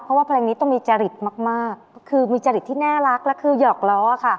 เพราะว่าเพลงนี้ต้องมีจริตมากคือมีจริตที่น่ารักแล้วคือหยอกล้อค่ะ